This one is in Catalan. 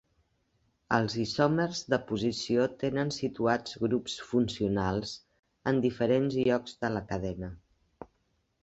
Els isòmers de posició tenen situats grups funcionals en diferents llocs de la cadena.